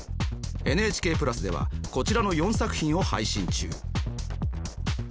ＮＨＫプラスではこちらの４作品を配信中。